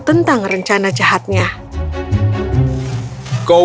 sang bangau mencari makanan baru